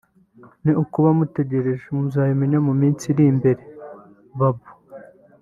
ni ukuba mutegereje muzabimenya mu minsi iri imbere- Boubou